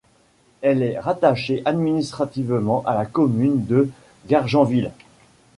Elle est rattachée administrativement à la commune de Gargenville.